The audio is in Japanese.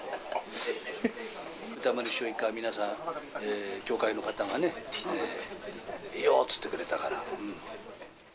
歌丸師匠以下皆さん、協会の方がね、いいよって言ってくれたから。